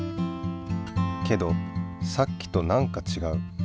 けどさっきと何かちがう。